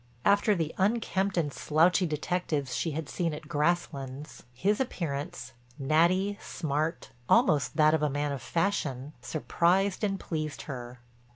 After the unkempt and slouchy detectives she had seen at Grasslands his appearance, natty, smart, almost that of a man of fashion, surprised and pleased her.